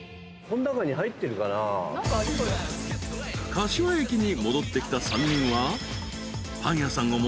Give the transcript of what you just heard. ［柏駅に戻ってきた３人は］